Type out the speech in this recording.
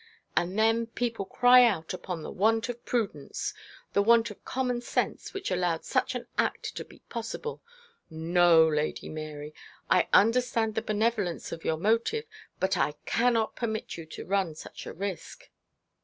And then people cry out upon the want of prudence, the want of common sense which allowed such an act to be possible. No, Lady Mary, I understand the benevolence of your motive, but I cannot permit you to run such a risk.'